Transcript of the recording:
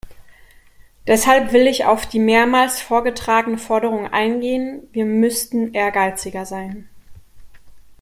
Deshalb will ich auf die mehrmals vorgetragene Forderung eingehen, wir müssten ehrgeiziger sein.